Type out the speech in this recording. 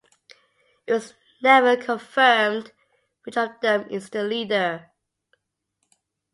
It was never confirmed which of them is the leader.